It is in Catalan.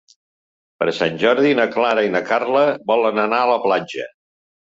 Per Sant Jordi na Clara i na Carla volen anar a la platja.